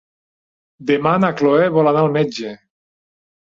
Demà na Cloè vol anar al metge.